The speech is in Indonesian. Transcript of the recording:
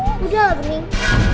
udah lah bening